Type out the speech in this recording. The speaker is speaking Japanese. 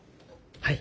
はい。